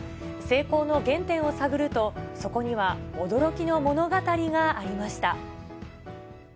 成功の原点を探ると、そこには、驚きの物語がありました。